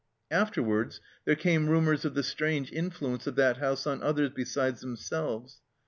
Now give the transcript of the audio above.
Afterwards there came rumours of the strange influence of that house on others besides them selves.